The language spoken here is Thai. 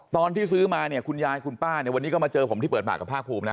ซื้อมาเนี่ยคุณยายคุณป้าเนี่ยวันนี้ก็มาเจอผมที่เปิดปากกับภาคภูมินะ